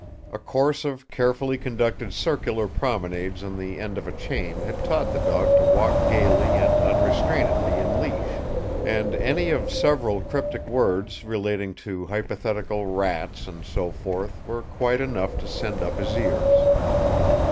A course of carefully conducted circular promenades on the end of a chain had taught the dog to walk gaily and unrestrainedly in leash. And any of several cryptic words, relating to hypothetical rats, and so forth, were quite enough to send up his ears.